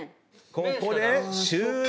ここで終了！